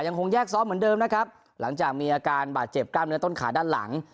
คงแยกซ้อมเหมือนเดิมนะครับหลังจากมีอาการบาดเจ็บกล้ามเนื้อต้นขาด้านหลัง